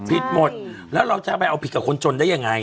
ผิดหมดแล้วเราจะไปเอาผิดกับคนจนได้ยังไง